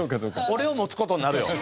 俺を持つ事になるよ。